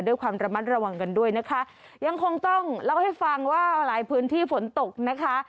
ด้วยความระมัดระวังกันด้วยนะคะยังคงต้องเล่าให้ฟังว่าหลายพื้นที่ฝนตกนะคะ